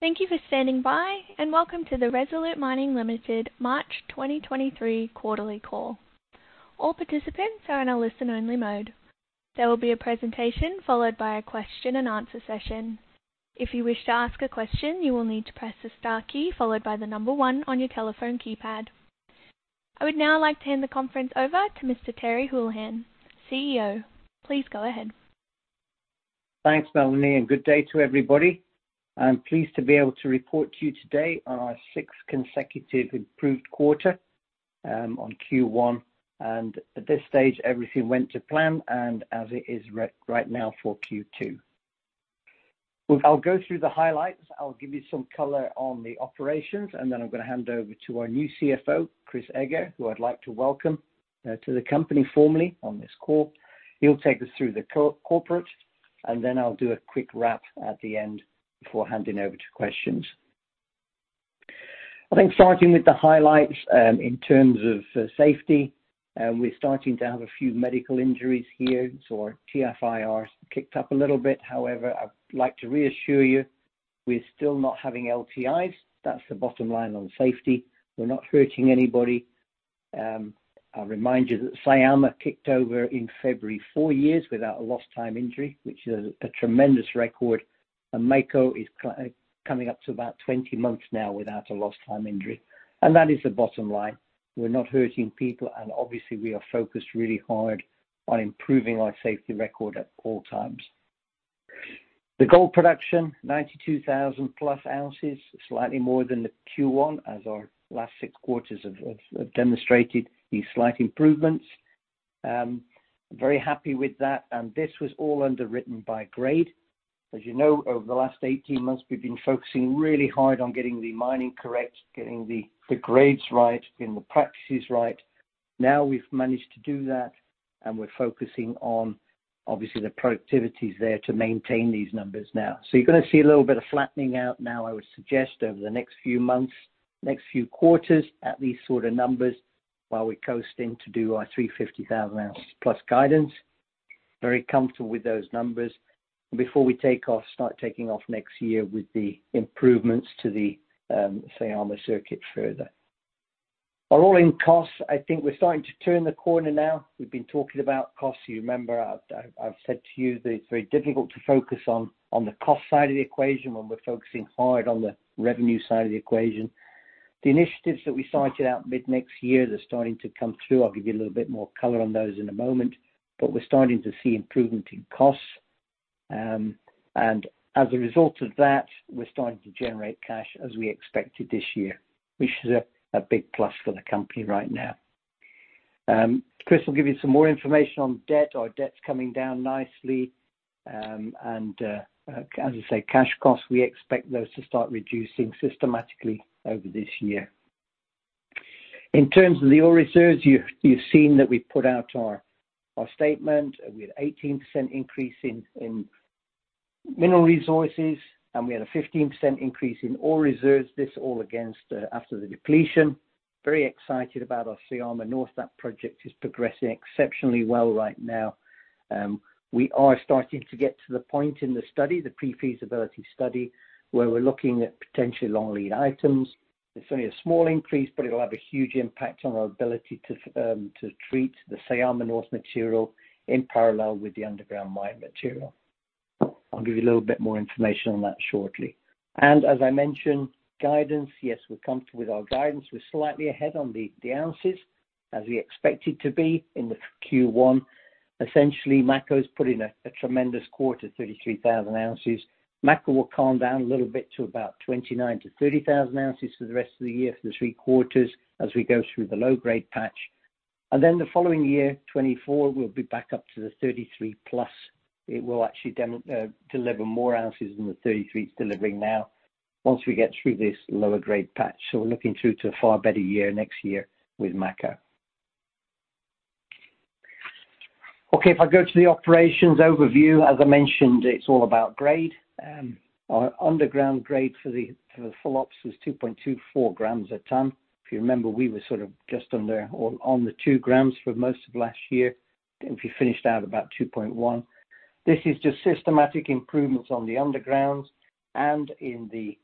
Thank you for standing by. Welcome to the Resolute Mining Limited March 2023 quarterly call. All participants are in a listen-only mode. There will be a presentation followed by a question-and-answer session. If you wish to ask a question, you will need to press the star key followed by the 1 on your telephone keypad. I would now like to hand the conference over to Mr. Terry Holohan, CEO. Please go ahead. Thanks, Melanie. Good day to everybody. I'm pleased to be able to report to you today on our sixth consecutive improved quarter on Q1. At this stage, everything went to plan and as it is right now for Q2. I'll go through the highlights. I'll give you some color on the operations, and then I'm gonna hand over to our new CFO, Chris Eger, who I'd like to welcome to the company formally on this call. He'll take us through the corporate, and then I'll do a quick wrap at the end before handing over to questions. I think starting with the highlights, in terms of safety, we're starting to have a few medical injuries here. Our TFIRs kicked up a little bit. However, I'd like to reassure you, we're still not having LTIs. That's the bottom line on safety..... We're not hurting anybody. I'll remind you that Syama kicked over in February, four years without a lost time injury, which is a tremendous record. Mako is coming up to about 20 months now without a lost time injury. That is the bottom line. We're not hurting people, and obviously we are focused really hard on improving our safety record at all times. The gold production, 92,000+ ounces, slightly more than the Q1 as our last 6 quarters have demonstrated these slight improvements. Very happy with that, and this was all underwritten by grade. As you know, over the last 18 months we've been focusing really hard on getting the mining correct, getting the grades right, getting the practices right. Now we've managed to do that, and we're focusing on obviously the productivities there to maintain these numbers now. You're gonna see a little bit of flattening out now, I would suggest, over the next few months, next few quarters, at these sort of numbers while we coast in to do our 350,000 ounce plus guidance. Very comfortable with those numbers. Before we take off, start taking off next year with the improvements to the Syama circuit further. On all-in costs, I think we're starting to turn the corner now. We've been talking about costs. You remember I've said to you that it's very difficult to focus on the cost side of the equation when we're focusing hard on the revenue side of the equation. The initiatives that we cited out mid next year are starting to come through. I'll give you a little bit more color on those in a moment. We're starting to see improvement in costs. As a result of that, we're starting to generate cash as we expected this year, which is a big plus for the company right now. Chris will give you some more information on debt. Our debt's coming down nicely. As I say, cash costs, we expect those to start reducing systematically over this year. In terms of the ore reserves, you've seen that we've put out our statement. We had 18% increase in mineral resources, and we had a 15% increase in ore reserves. This all against after the depletion. Very excited about our Syama North. That project is progressing exceptionally well right now. We are starting to get to the point in the study, the pre-feasibility study, where we're looking at potentially long lead items. It's only a small increase, but it'll have a huge impact on our ability to treat the Syama North material in parallel with the underground mine material. I'll give you a little bit more information on that shortly. As I mentioned, guidance, yes, we're comfortable with our guidance. We're slightly ahead on the ounces, as we expected to be in the Q1. Essentially, Mako's put in a tremendous quarter, 33,000 ounces. Mako will calm down a little bit to about 29,000-30,000 ounces for the rest of the year, for the 3 quarters, as we go through the low-grade patch. The following year, 2024, we'll be back up to the 33 plus. It will actually deliver more ounces than the 33 it's delivering now once we get through this lower grade patch. We're looking through to a far better year next year with Mako. Okay, if I go to the operations overview, as I mentioned, it's all about grade. Our underground grade for the full ops was 2.24 grams a ton. If you remember, we were sort of just under or on the 2 grams for most of last year. If you finished out about 2.1. This is just systematic improvements on the undergrounds and in the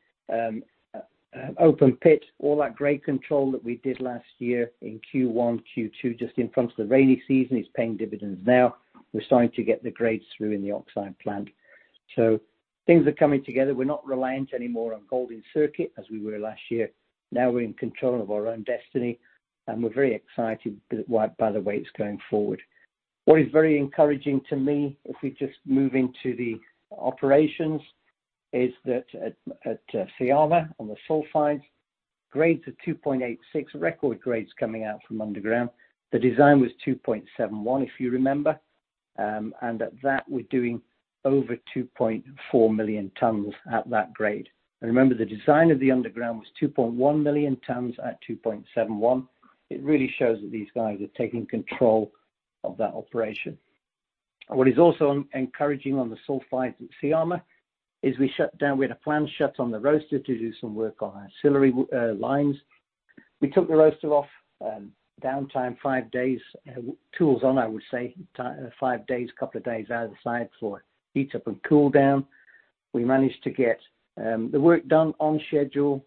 open pit. All that grade control that we did last year in Q1, Q2, just in front of the rainy season, is paying dividends now. We're starting to get the grades through in the oxide plant. Things are coming together. We're not reliant anymore on gold in circuit, as we were last year. We're in control of our own destiny, and we're very excited by the way it's going forward. What is very encouraging to me, if we just move into the operations, is that at Syama on the sulfides, grades of 2.86, record grades coming out from underground. The design was 2.71, if you remember. At that, we're doing over 2.4 million tons at that grade. Remember, the design of the underground was 2.1 million tons at 2.71. It really shows that these guys are taking control of that operation. What is also encouraging on the sulfides at Syama is we shut down. We had a planned shut on the roaster to do some work on our ancillary lines. We took the roaster off, downtime 5 days. Tools on, I would say, 5 days, couple of days out of the side for heat up and cool down. We managed to get the work done on schedule.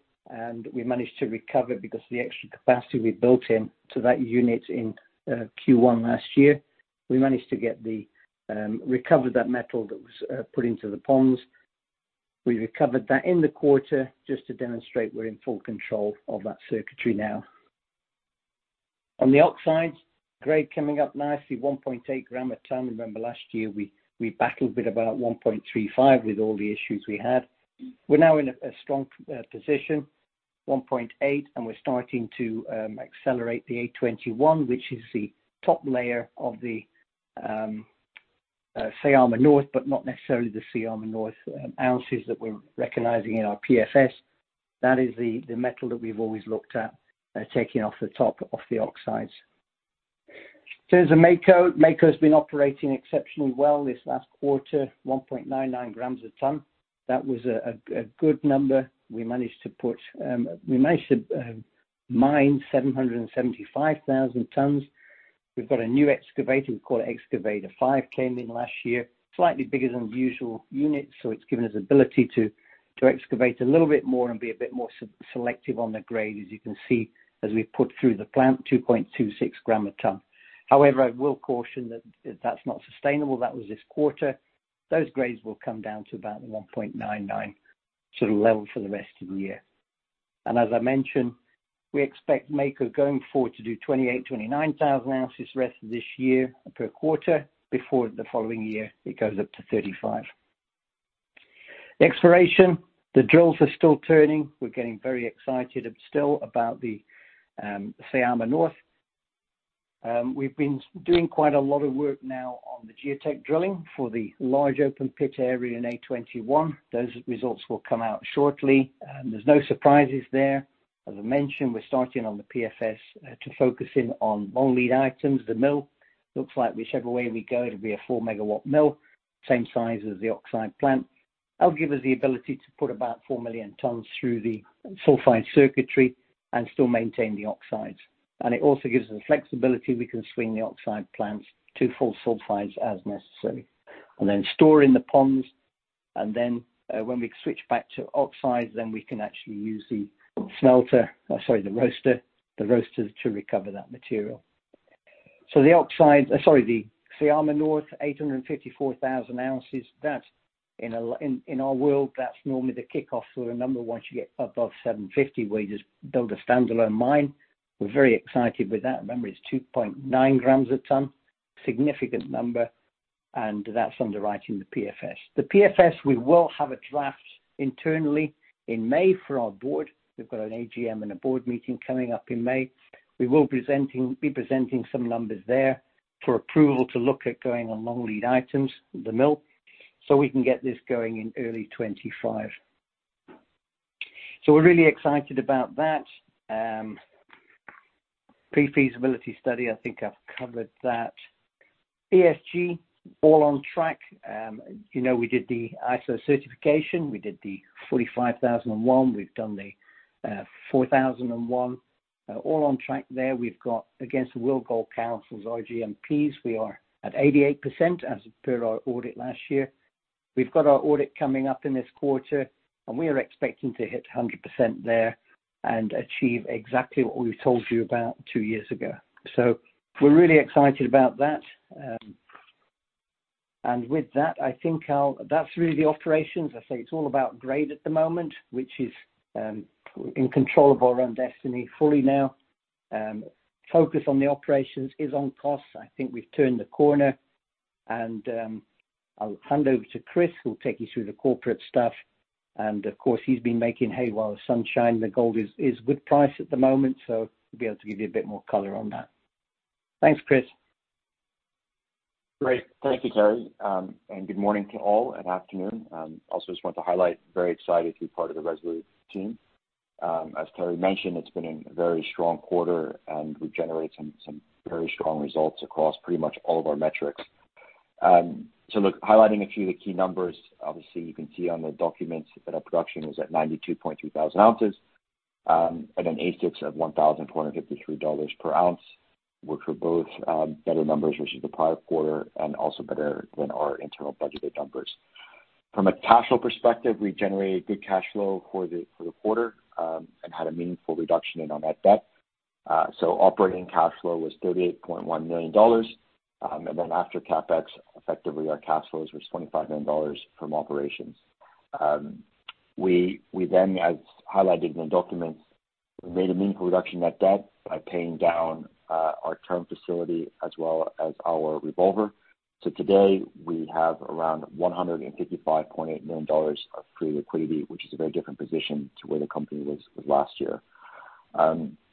We managed to recover because of the extra capacity we built in to that unit in Q1 last year. We managed to recover that metal that was put into the ponds. We recovered that in the quarter just to demonstrate we're in full control of that circuitry now. On the oxides, grade coming up nicely, 1.8 gram a ton. Remember last year, we battled a bit about 1.35 with all the issues we had. We're now in a strong position, 1.8, and we're starting to accelerate the A21, which is the top layer of the Syama North, but not necessarily the Syama North ounces that we're recognizing in our PFS. That is the metal that we've always looked at taking off the top of the oxides. In terms of Mako's been operating exceptionally well this last quarter, 1.99 grams a ton. That was a good number. We managed to mine 775,000 tons. We've got a new excavator, we call it Excavator Five, came in last year. Slightly bigger than the usual unit, so it's given us ability to excavate a little bit more and be a bit more selective on the grade, as you can see as we've put through the plant, 2.26 gram a ton. However, I will caution that's not sustainable. That was this quarter. Those grades will come down to about 1.99 sort of level for the rest of the year. As I mentioned, we expect Mako going forward to do 28,000-29,000 ounces the rest of this year per quarter. Before the following year, it goes up to 35. Exploration. The drills are still turning. We're getting very excited and still about the Syama North. We've been doing quite a lot of work now on the geotech drilling for the large open pit area in A21. Those results will come out shortly. There's no surprises there. As I mentioned, we're starting on the PFS to focus in on long lead items. The mill looks like whichever way we go, it'll be a 4-megawatt mill, same size as the oxide plant. That'll give us the ability to put about 4 million tons through the sulfide circuitry and still maintain the oxides. It also gives us the flexibility, we can swing the oxide plants to full sulfides as necessary. Store in the ponds, when we switch back to oxides, we can actually use the smelter, or sorry, the roaster, the roaster to recover that material. The oxides, sorry, the Syama North, 854,000 ounces. That's in our world, that's normally the kickoff for a number once you get above $750, where you just build a standalone mine. We're very excited with that. Remember, it's 2.9 grams a ton, significant number, and that's underwriting the PFS. The PFS, we will have a draft internally in May for our board. We've got an AGM and a board meeting coming up in May. We will be presenting some numbers there for approval to look at going on long lead items, the mill, so we can get this going in early 2025. We're really excited about that. Pre-feasibility study, I think I've covered that. ESG, all on track. You know, we did the ISO certification. We did the 45001. We've done the 14001. All on track there. We've got against the World Gold Council's RGMPs, we are at 88% as per our audit last year. We've got our audit coming up in this quarter, we are expecting to hit 100% there and achieve exactly what we've told you about 2 years ago. We're really excited about that. With that, I think That's really the operations. I say it's all about grade at the moment, which is in control of our own destiny fully now. Focus on the operations is on costs. I think we've turned the corner. I'll hand over to Chris, who'll take you through the corporate stuff. Of course, he's been making hay while the sun shine. The gold is good price at the moment, he'll be able to give you a bit more color on that. Thanks, Chris. Great. Thank you, Terry. Good morning to all, and afternoon. Also just want to highlight, very excited to be part of the Resolute team. As Terry mentioned, it's been a very strong quarter, and we've generated some very strong results across pretty much all of our metrics. Look, highlighting a few of the key numbers. Obviously, you can see on the documents that our production was at 92.2 thousand ounces, at an AISC of $1,453 per ounce, which were both better numbers versus the prior quarter and also better than our internal budgeted numbers. From a cash flow perspective, we generated good cash flow for the quarter, and had a meaningful reduction in our net debt. Operating cash flow was $38.1 million. After CapEx, effectively our cash flows was $25 million from operations. We, as highlighted in the documents, made a meaningful reduction net debt by paying down our term facility as well as our revolver. Today we have around $155.8 million of free liquidity, which is a very different position to where the company was last year.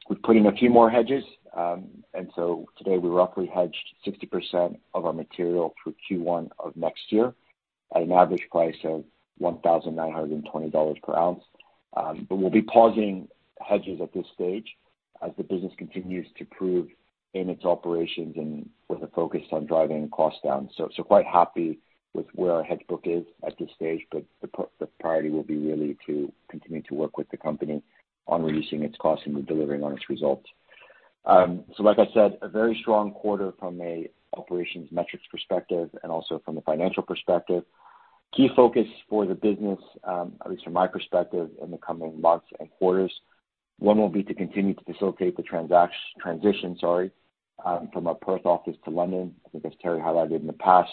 We've put in a few more hedges, today we roughly hedged 60% of our material through Q1 of next year at an average price of $1,920 per ounce. We'll be pausing hedges at this stage as the business continues to prove in its operations and with a focus on driving costs down. Quite happy with where our hedge book is at this stage. The priority will be really to continue to work with the company on reducing its costs and delivering on its results. Like I said, a very strong quarter from a operations metrics perspective and also from a financial perspective. Key focus for the business, at least from my perspective in the coming months and quarters, one will be to continue to facilitate the transition, sorry, from our Perth office to London. I think as Terry highlighted in the past,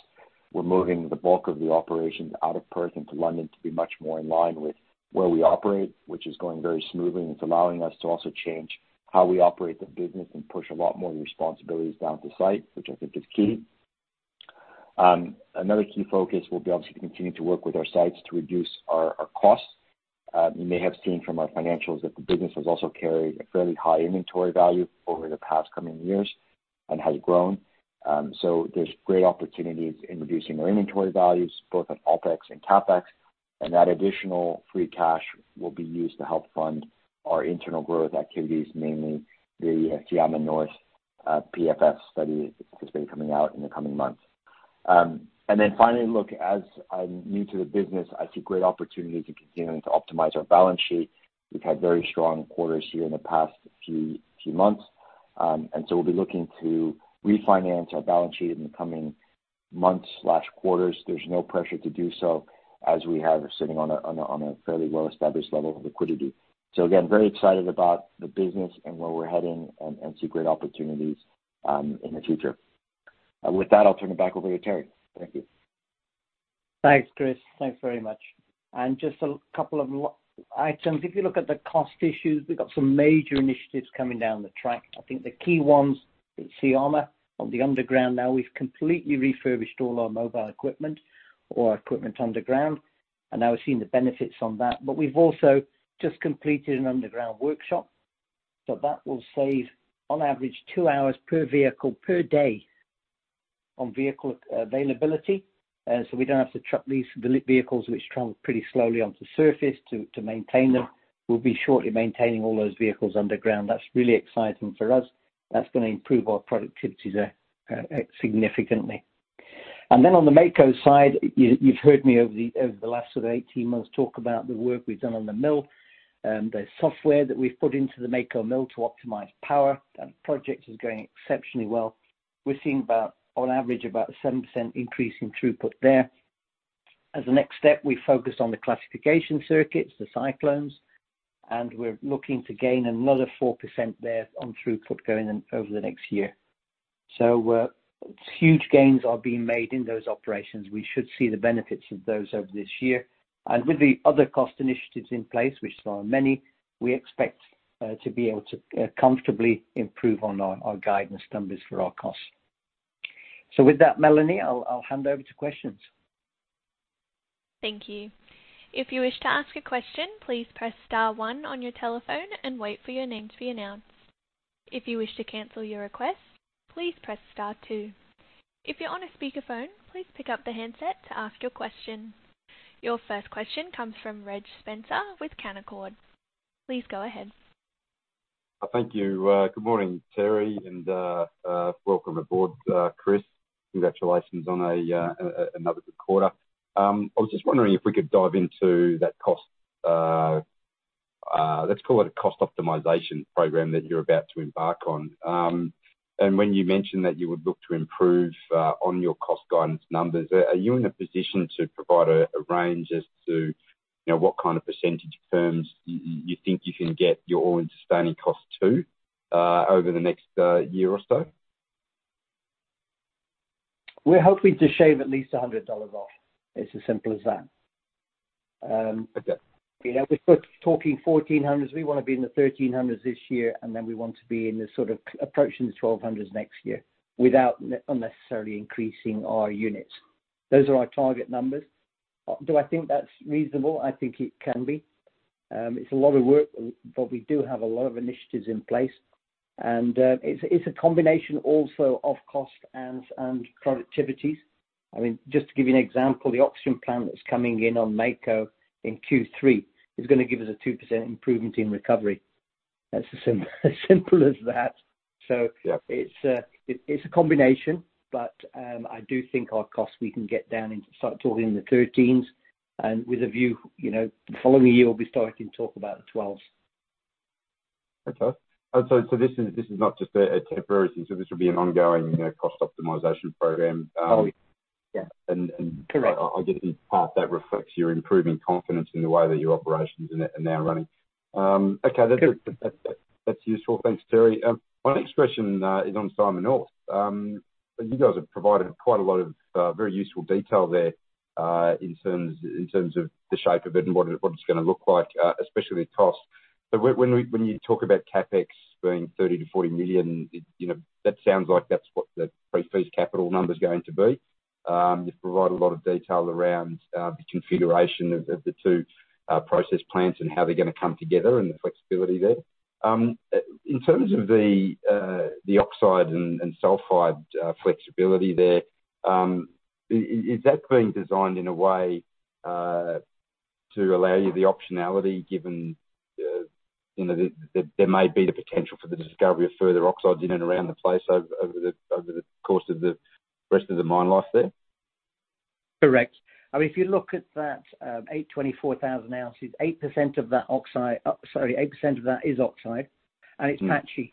we're moving the bulk of the operations out of Perth into London to be much more in line with where we operate, which is going very smoothly. It's allowing us to also change how we operate the business and push a lot more responsibilities down to site, which I think is key. Another key focus will be obviously to continue to work with our sites to reduce our costs. You may have seen from our financials that the business has also carried a fairly high inventory value over the past coming years and has grown. There's great opportunities in reducing our inventory values both on OpEx and CapEx, and that additional free cash will be used to help fund our internal growth activities, mainly the Syama North PFS study that's going to be coming out in the coming months. Finally, look, as I'm new to the business, I see great opportunities in continuing to optimize our balance sheet. We've had very strong quarters here in the past few months. We'll be looking to refinance our balance sheet in the coming months/quarters. There's no pressure to do so as we have it sitting on a fairly well-established level of liquidity. So again, very excited about the business and where we're heading and see great opportunities in the future. With that, I'll turn it back over to Terry. Thank you. Thanks, Chris. Thanks very much. Just a couple of items. If you look at the cost issues, we've got some major initiatives coming down the track. I think the key ones at Syama on the underground now, we've completely refurbished all our mobile equipment or equipment underground. Now we're seeing the benefits on that. We've also just completed an underground workshop. That will save on average 2 hours per vehicle per day on vehicle availability. We don't have to truck these vehicles, which travel pretty slowly onto surface to maintain them. We'll be shortly maintaining all those vehicles underground. That's really exciting for us. That's gonna improve our productivity there significantly. On the Mako side, you've heard me over the last sort of 18 months talk about the work we've done on the mill, the software that we've put into the Mako mill to optimize power. That project is going exceptionally well. We're seeing about, on average, about a 7% increase in throughput there. As a next step, we focus on the classification circuits, the cyclones, and we're looking to gain another 4% there on throughput going in over the next year. Huge gains are being made in those operations. We should see the benefits of those over this year. With the other cost initiatives in place, which there are many, we expect to be able to comfortably improve on our guidance numbers for our costs. With that, Melanie, I'll hand over to questions. Thank you. If you wish to ask a question, please press star one on your telephone and wait for your name to be announced. If you wish to cancel your request, please press star two. If you're on a speakerphone, please pick up the handset to ask your question. Your first question comes from Reg Spencer with Canaccord. Please go ahead. Thank you. Good morning, Terry, and welcome aboard, Chris. Congratulations on another good quarter. I was just wondering if we could dive into that cost, let's call it a cost optimization program that you're about to embark on. When you mentioned that you would look to improve on your cost guidance numbers, are you in a position to provide a range as to, you know, what kind of percentage terms you think you can get your All-In Sustaining Cost to over the next year or so? We're hoping to shave at least $100 off. It's as simple as that. Okay. You know, we're sort of talking $1,400s. We want to be in the $1,300s this year, we want to be in the sort of approaching the $1,200s next year without unnecessarily increasing our units. Those are our target numbers. Do I think that's reasonable? I think it can be. It's a lot of work, we do have a lot of initiatives in place, it's a combination also of cost and productivities. I mean, just to give you an example, the oxygen plant that's coming in on Mako in Q3 is going to give us a 2% improvement in recovery. That's as simple as that. Yeah. It's a combination, but I do think our costs, we can get down into start talking in the $1,300s and with a view, you know, the following year, we'll be starting to talk about the $1,200s. Okay. So this is not just a temporary thing. This will be an ongoing, you know, cost optimization program. Oh, yeah. And, and- Correct. I guess in part that reflects your improving confidence in the way that your operations are now running. Okay. They do. That's useful. Thanks, Terry. My next question is on Syama North. You guys have provided quite a lot of very useful detail there, in terms of the shape of it and what it's gonna look like, especially cost. When you talk about CapEx being $30 million-$40 million, it, you know, that sounds like that's what the PFS capital number's going to be. You've provided a lot of detail around the configuration of the two process plants and how they're gonna come together and the flexibility there. In terms of the oxide and sulfide flexibility there, is that being designed in a way to allow you the optionality given, you know, the, there may be the potential for the discovery of further oxides in and around the place over the course of the rest of the mine life there? Correct. I mean, if you look at that, 824,000 ounces, 8% of that oxide. Sorry, 8% of that is oxide. Mm. It's patchy.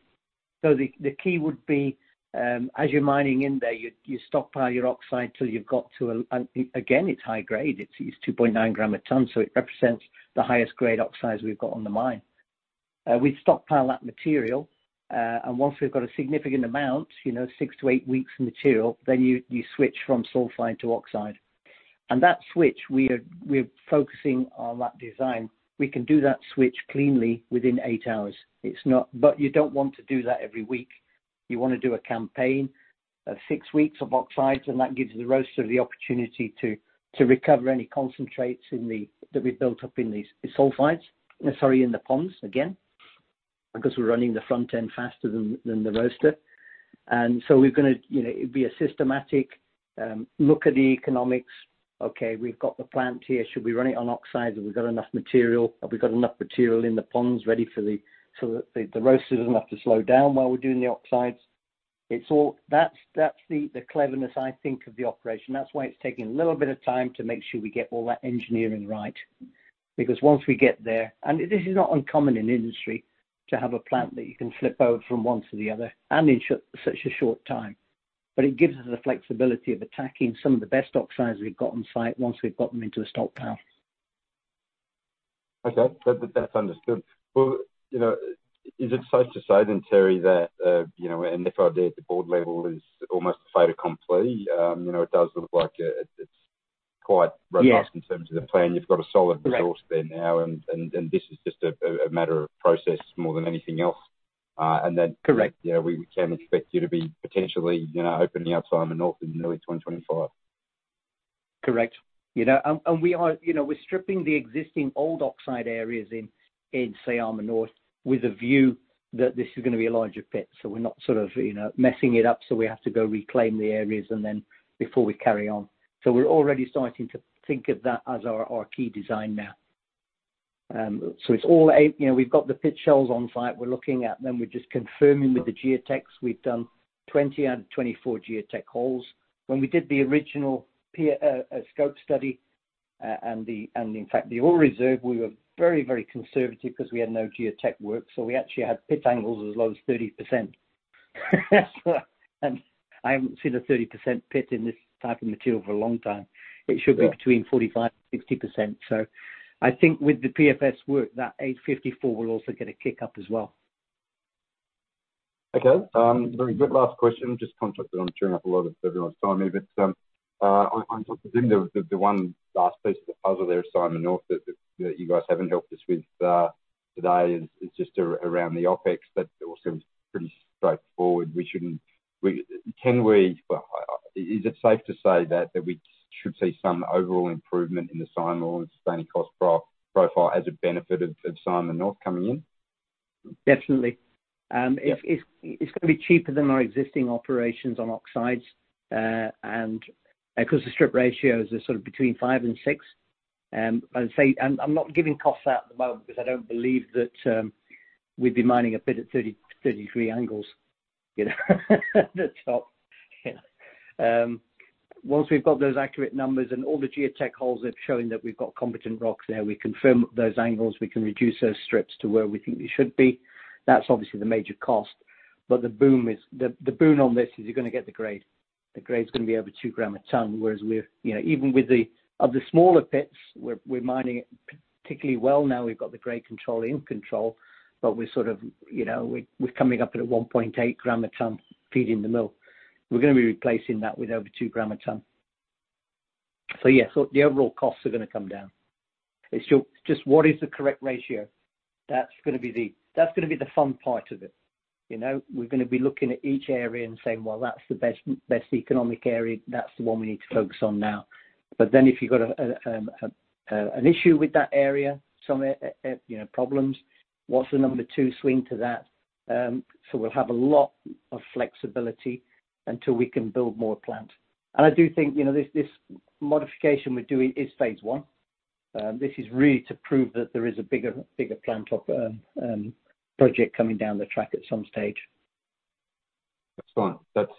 The key would be, as you're mining in there, you stockpile your oxide till you've got to Again, it's high grade. It's 2.9 gram a ton, so it represents the highest grade oxides we've got on the mine. We stockpile that material. Once we've got a significant amount, you know, 6-8 weeks of material, then you switch from sulfide to oxide. That switch, we're focusing on that design. We can do that switch cleanly within 8 hours. You don't want to do that every week. You wanna do a campaign of 6 weeks of oxides, and that gives the roaster the opportunity to recover any concentrates that we've built up in these sulfides. Sorry, in the ponds, again, because we're running the front end faster than the roaster. So we're gonna, you know, it'll be a systematic look at the economics. Okay, we've got the plant here. Should we run it on oxides? Have we got enough material? Have we got enough material in the ponds ready for the, so that the roaster doesn't have to slow down while we're doing the oxides? That's the cleverness, I think, of the operation. That's why it's taking a little bit of time to make sure we get all that engineering right. Once we get there... This is not uncommon in industry to have a plant that you can flip over from one to the other, and in such a short time. It gives us the flexibility of attacking some of the best oxides we've got on-site once we've got them into a stockpile. Okay. That's understood. Well, you know, is it safe to say then, Terry, that, you know, an FID at the board level is almost a fait accompli? You know, it does look like, it's quite robust. Yeah In terms of the plan. You've got a solid resource there now. Correct. This is just a matter of process more than anything else. Correct. You know, we can expect you to be potentially, you know, opening up Syama North in early 2025. Correct. You know, and we are, you know, we're stripping the existing old oxide areas in Syama North with a view that this is gonna be a larger pit, so we're not sort of, you know, messing it up, so we have to go reclaim the areas and then before we carry on. We're already starting to think of that as our key design now. It's all eight... You know, we've got the pit shells on-site. We're looking at them. We're just confirming with the geotechs. We've done 20 out of 24 geotech holes. When we did the original scope study, and in fact, the ore reserve, we were very, very conservative 'cause we had no geotech work, so we actually had pit angles as low as 30%. I haven't seen a 30% pit in this type of material for a long time. Yeah. It should be between 45% and 60%. I think with the PFS work, that $854 will also get a kick up as well. Okay. Very good. Last question. Just conscious that I'm chewing up a lot of everyone's time here. on top of them, the one last piece of the puzzle there, Syama North, that you guys haven't helped us with today is just around the OpEx. That also is pretty straightforward. Is it safe to say that we should see some overall improvement in the Syama or sustaining cost profile as a benefit of Syama North coming in? Definitely. Yeah. It's gonna be cheaper than our existing operations on oxides. 'Cause the strip ratios are sort of between 5 and 6. I would say, I'm not giving costs out at the moment because I don't believe that we'd be mining a pit at 30, 33 angles. You know, that's not, you know. Once we've got those accurate numbers and all the geotech holes are showing that we've got competent rocks there, we confirm those angles, we can reduce those strips to where we think they should be. That's obviously the major cost. The boon on this is you're gonna get the grade. The grade's gonna be over 2 gram a ton, whereas we're, you know, even with the smaller pits, we're mining it particularly well now we've got the grade control in control. We're sort of, you know, we're coming up at a 1.8 gram a ton feeding the mill. We're gonna be replacing that with over 2 gram a ton. Yeah, so the overall costs are gonna come down. It's just what is the correct ratio. That's gonna be the fun part of it. You know? We're gonna be looking at each area and saying, "Well, that's the best economic area. That's the one we need to focus on now." If you've got an issue with that area, some, you know, problems, what's the number 2 swing to that? We'll have a lot of flexibility until we can build more plant. I do think, you know, this modification we're doing is phase one. This is really to prove that there is a bigger plant op project coming down the track at some stage. Excellent. That's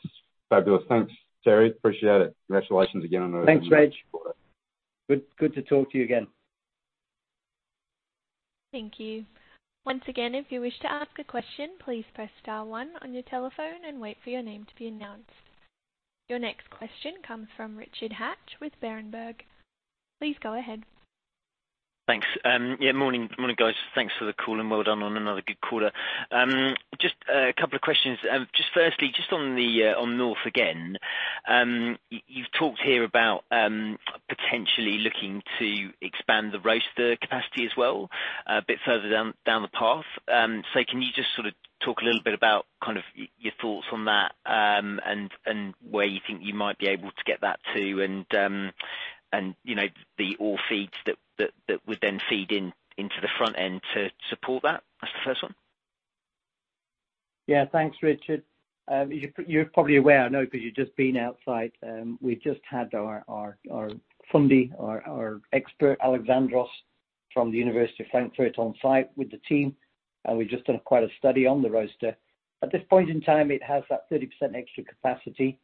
fabulous. Thanks, Terry. Appreciate it. Congratulations again on another good quarter. Thanks, Reg. Good to talk to you again. Thank you. Once again, if you wish to ask a question, please press star one on your telephone and wait for your name to be announced. Your next question comes from Richard Hatch with Berenberg. Please go ahead. Thanks. Yeah, morning, guys. Thanks for the call, and well done on another good quarter. Just a couple of questions. Just firstly, just on North again. You've talked here about potentially looking to expand the roaster capacity as well, a bit further down the path. Can you just sort of talk a little bit about kind of your thoughts on that, and where you think you might be able to get that to and, you know, the ore feeds that would then feed into the front end to support that? That's the first one. Yeah. Thanks, Richard. You're probably aware, I know because you've just been outside, we just had our fundi, our expert, Alexandros from the Goethe University Frankfurt on site with the team, and we've just done quite a study on the roaster. At this point in time, it has that 30% extra capacity.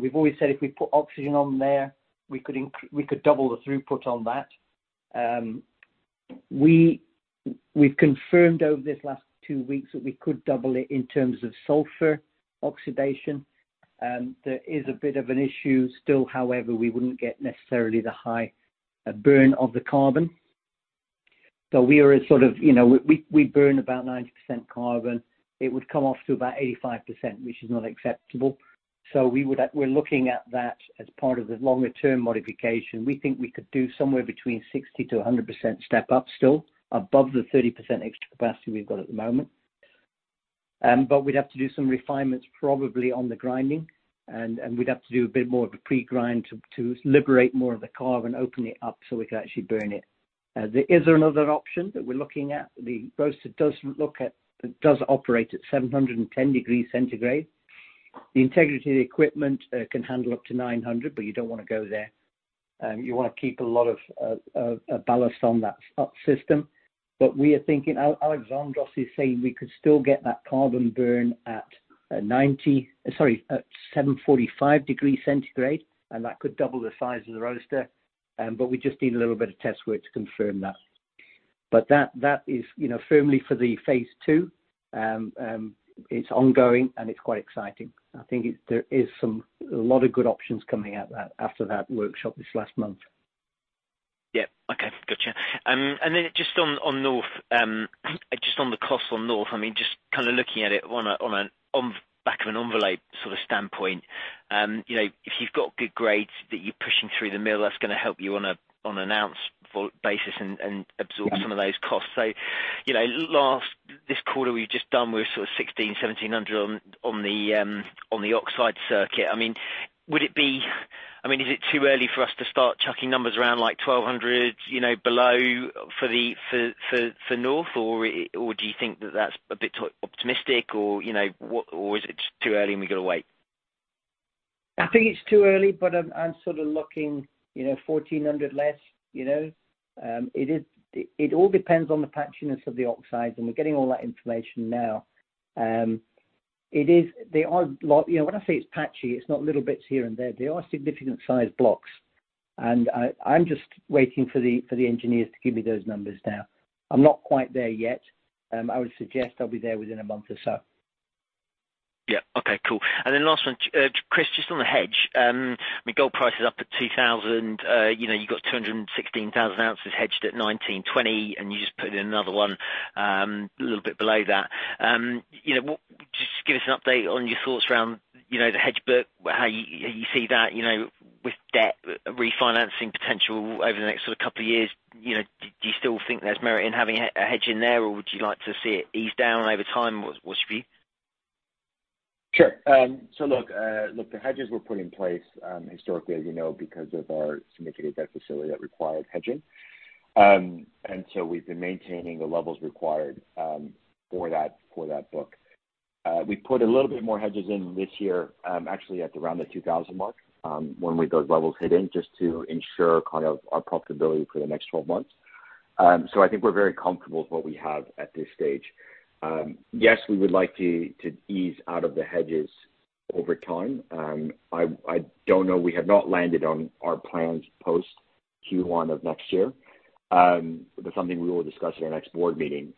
We've always said if we put oxygen on there, we could double the throughput on that. We've confirmed over this last 2 weeks that we could double it in terms of sulfur oxidation. There is a bit of an issue still, however, we wouldn't get necessarily the high burn of the carbon. We are sort of, you know, we burn about 90% carbon. It would come off to about 85%, which is not acceptable. We're looking at that as part of the longer term modification. We think we could do somewhere between 60% to 100% step up still above the 30% extra capacity we've got at the moment. We'd have to do some refinements probably on the grinding and we'd have to do a bit more of the pre-grind to liberate more of the carbon, open it up so we can actually burn it. There is another option that we're looking at. The roaster does operate at 710 degrees centigrade. The integrity of the equipment can handle up to 900, but you don't wanna go there. You wanna keep a lot of ballast on that system. We are thinking Alexandros is saying we could still get that carbon burn at 745 degrees centigrade, and that could double the size of the roaster. We just need a little bit of test work to confirm that. That is, you know, firmly for the phase two. It's ongoing, and it's quite exciting. I think there is a lot of good options coming out after that workshop this last month. Okay. Gotcha. Then just on North, just on the costs on North. I mean, just kinda looking at it on a back of an envelope sort of standpoint, you know, if you've got good grades that you're pushing through the mill, that's gonna help you on an ounce basis and absorb some of those costs. You know, last, this quarter we've just done, we're sort of $1,600-$1,700 on the oxide circuit. I mean, is it too early for us to start chucking numbers around like $1,200, you know, below for North? Or do you think that that's a bit too optimistic? Or, you know, or is it just too early and we gotta wait? I think it's too early, but I'm sorta looking, you know, $1,400 less, you know. It is, it all depends on the patchiness of the oxides, and we're getting all that information now. It is, there are lot... You know, when I say it's patchy, it's not little bits here and there. There are significant size blocks, and I'm just waiting for the engineers to give me those numbers now. I'm not quite there yet. I would suggest I'll be there within a month or so. Yeah. Okay. Cool. Last one, Chris, just on the hedge, I mean, gold price is up at $2,000. You know, you've got 216,000 ounces hedged at $1,920, you just put in another one, a little bit below that. You know, just give us an update on your thoughts around, you know, the hedge book, how you see that, you know, with debt refinancing potential over the next sort of couple of years. You know, do you still think there's merit in having a hedge in there, or would you like to see it ease down over time? What's your view? Sure. Look, look, the hedges were put in place historically, as you know, because of our significant debt facility that required hedging. We've been maintaining the levels required for that, for that book. We put a little bit more hedges in this year, actually at around the $2,000 mark, when we got levels hitting, just to ensure kind of our profitability for the next 12 months. I think we're very comfortable with what we have at this stage. Yes, we would like to ease out of the hedges over time. I don't know. We have not landed on our plans post Q1 of next year. That's something we will discuss at our next board meeting.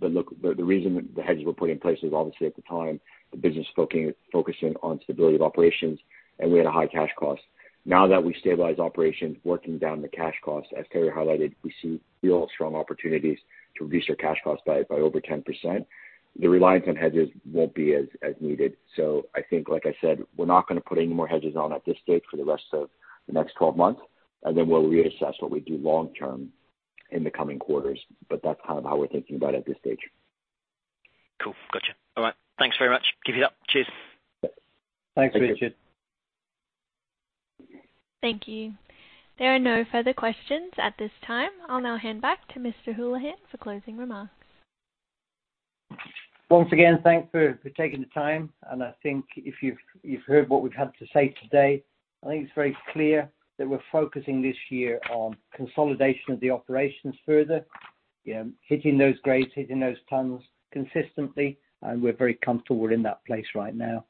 Look, the reason the hedges were put in place was obviously at the time, the business focusing on stability of operations, and we had a high cash cost. Now that we've stabilized operations, working down the cash costs, as Terry highlighted, we see real strong opportunities to reduce our cash costs by over 10%. The reliance on hedges won't be as needed. I think, like I said, we're not gonna put any more hedges on at this stage for the rest of the next 12 months, and then we'll reassess what we do long term in the coming quarters. That's kind of how we're thinking about it at this stage. Cool. Gotcha. All right. Thanks very much. Keep it up. Cheers. Thanks, Richard. Thank you. Thank you. There are no further questions at this time. I'll now hand back to Mr. Holohan for closing remarks. Once again, thank for taking the time. I think if you've heard what we've had to say today, I think it's very clear that we're focusing this year on consolidation of the operations further, hitting those grades, hitting those tons consistently, and we're very comfortable we're in that place right now.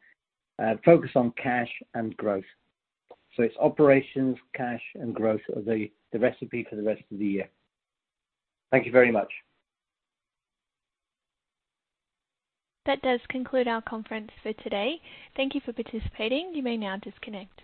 Focus on cash and growth. It's operations, cash, and growth are the recipe for the rest of the year. Thank you very much. That does conclude our conference for today. Thank you for participating. You may now disconnect.